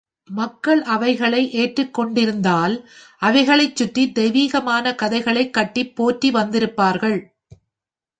மக்கள் அவைகளை ஏற்றுக்கொண்டிருந்தால், அவைகளைச் சுற்றித் தெய்வீகமான கதைகளைக் கட்டிப் போற்றி வந்திருப்பார்கள்.